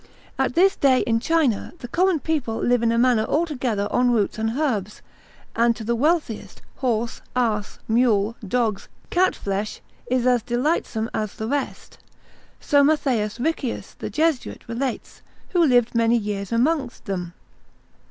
At this day in China the common people live in a manner altogether on roots and herbs, and to the wealthiest, horse, ass, mule, dogs, cat flesh, is as delightsome as the rest, so Mat. Riccius the Jesuit relates, who lived many years amongst them.